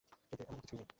এতে এমন কিছুই নেই।